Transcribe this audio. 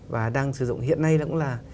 và đang sử dụng hiện nay cũng là